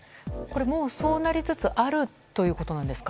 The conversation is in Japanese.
もう、そうなりつつあるということですか。